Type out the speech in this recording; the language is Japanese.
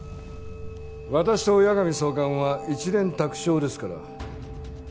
私と矢上総監は一蓮托生ですから。